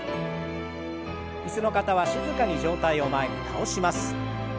椅子の方は静かに上体を前に倒します。